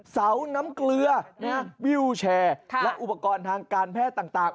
เสาน้ำเกลือวิวแชร์และอุปกรณ์ทางการแพทย์ต่าง